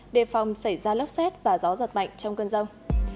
đề phòng xảy ra lốc xét và gió giật mạnh trong cơn rông